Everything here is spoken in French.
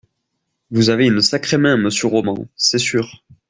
Vous avez une sacrée main monsieur Roman, c’est sûr.